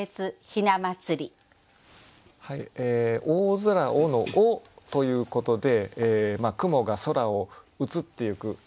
「大空を」の「を」ということで雲が空を移っていく。